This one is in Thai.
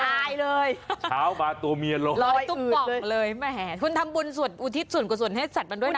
ตายเลยร้อยตุ๊บป่องเลยแม่คุณทำบุญส่วนกว่าส่วนให้สัตว์มันด้วยนะ